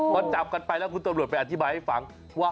พอจับกันไปแล้วคุณตำรวจไปอธิบายให้ฟังว่า